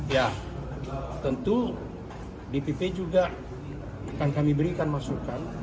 ya tentu dpp juga akan kami berikan masukan